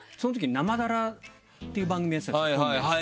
『生ダラ』っていう番組やってたんですよ。